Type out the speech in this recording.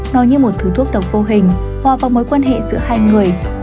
nó như một thứ thuốc độc vô hình hòa vào mối quan hệ giữa hai người